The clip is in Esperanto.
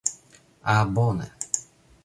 Ah bone.